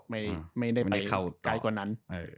ไม่ได้ไปเข้าใกล้กว่านั้น